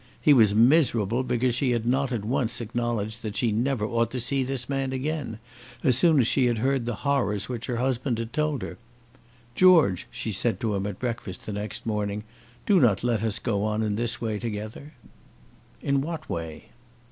He was miserable because she had not at once acknowledged that she never ought to see this man again, as soon as she had heard the horrors which her husband had told her. "George," she said to him at breakfast, the next morning, "do not let us go on in this way together." "In what way?"